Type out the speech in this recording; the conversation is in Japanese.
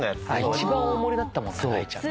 一番大盛りだったもんなだいちゃんな。